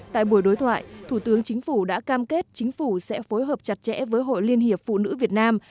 tại buổi đối thoại thủ tướng chính phủ đã cam kết chính phủ sẽ phối hợp chặt chẽ với hội liên hiệp phụ nữ việt nam